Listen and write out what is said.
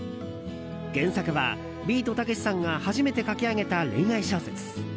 原作はビートたけしさんが初めて書き上げた恋愛小説。